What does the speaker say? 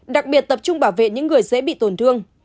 đặc biệt tập trung bảo vệ những người dễ bị tổn thương